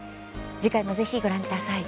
次回もぜひご覧ください。